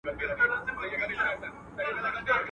ځنگل چي اور واخلي، وچ او لانده دواړه سوځي.